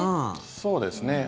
そうですね。